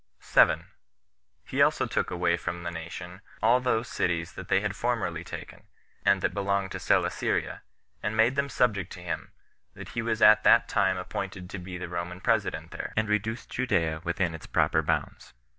7. He also took away from the nation all those cities that they had formerly taken, and that belonged to Celesyria, and made them subject to him that was at that time appointed to be the Roman president there; and reduced Judea within its proper bounds.